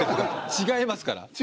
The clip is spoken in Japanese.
違いますから。